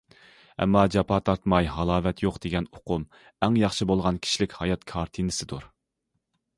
ئەمما‹‹ جاپا تارتماي ھالاۋەت يوق›› دېگەن ئۇقۇم ئەڭ ياخشى بولغان كىشىلىك ھايات كارتىنىسىدۇر.